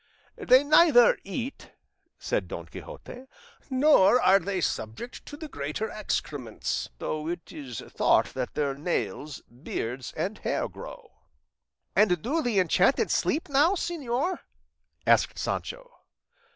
"They neither eat," said Don Quixote; "nor are they subject to the greater excrements, though it is thought that their nails, beards, and hair grow." "And do the enchanted sleep, now, señor?" asked Sancho.